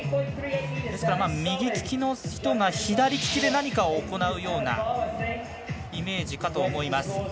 ですから、右利きの人が左利きで何かを行うようなイメージかと思います。